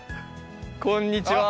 あっこんにちは。